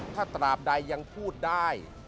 ถ้าตราบใดยังพูดได้